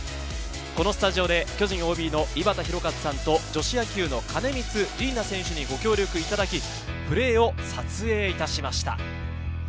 このスタジオで巨人ＯＢの井端弘和さんと女子野球の金満梨々那選手にご協力いただき、プレーを撮影いたしました。